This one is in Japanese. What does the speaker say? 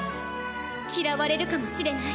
嫌われるかもしれない。